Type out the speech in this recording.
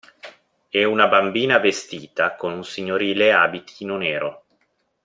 E una bambina vestita con un signorile abitino nero.